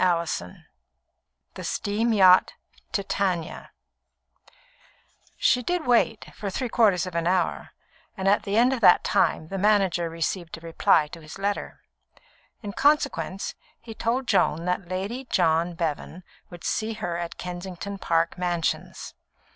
CHAPTER IV The Steam Yacht Titania She did wait, for three quarters of an hour; and at the end of that time the manager received a reply to his letter. In consequence, he told Joan that Lady John Bevan would see her at Kensington Park Mansions.